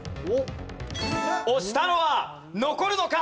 押したのは残るのか？